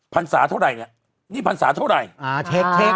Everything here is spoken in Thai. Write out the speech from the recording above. พรรษาเท่าไหร่เนี่ยนี่พรรษาเท่าไหร่